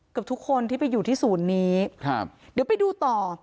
กับทุกคนที่ไปอยู่ที่ศูนย์นี้ครับเดี๋ยวไปดูต่อ